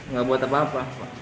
nggak buat apa apa